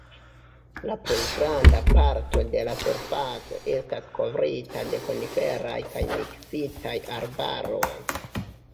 La plej granda parto de la surfaco estas kovrita de koniferaj kaj miksitaj arbaroj.